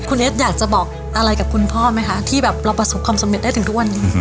คุณเอสอยากจะบอกอะไรกับคุณพ่อไหมคะที่แบบเราประสบความสำเร็จได้ถึงทุกวันนี้